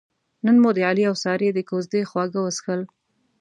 نن مو د علي اوسارې د کوزدې خواږه وڅښل.